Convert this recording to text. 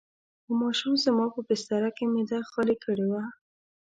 خو ماشوم زما په بستره کې معده خالي کړې وه.